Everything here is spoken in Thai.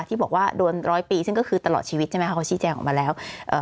ที่บอกว่าโดนร้อยปีซึ่งก็คือตลอดชีวิตใช่ไหมคะเขาชี้แจงออกมาแล้วเอ่อ